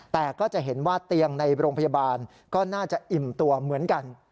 แต่ก็จะเห็นว่าเตียงในโรงพยาบาลก็น่าจะอิ่มตัวเหมือนกัน